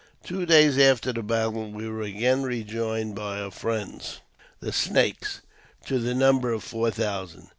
Two days after the battle we were again rejoined by our friends, the Snakes, to the number of four thousand.